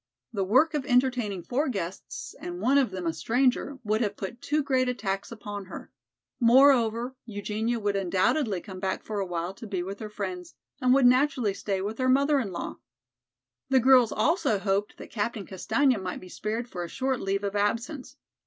The work of entertaining four guests, and one of them a stranger, would have put too great a tax upon her. Moreover, Eugenia would undoubtedly come back for a while to be with her friends and would naturally stay with her mother in law. The girls also hoped that Captain Castaigne might be spared for a short leave of absence.